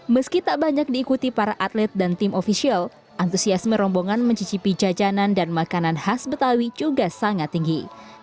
meski tak banyak diikuti para atlet dan tim ofisial antusiasme rombongan mencicipi jajanan dan makanan khas betawi juga sangat tinggi